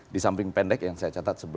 di samping pendek yang saya catat